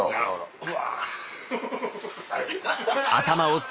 うわ！